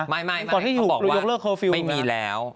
ไม่ไม่มีแล้ว